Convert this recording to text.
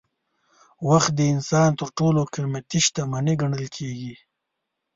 وخت د انسان تر ټولو قیمتي شتمني ګڼل کېږي.